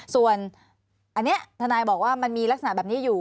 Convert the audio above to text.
ส่วนอันนี้ทนายบอกว่ามันมีลักษณะแบบนี้อยู่